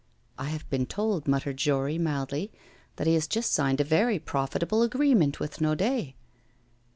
'I have been told,' muttered Jory, mildly, 'that he has just signed a very profitable agreement with Naudet.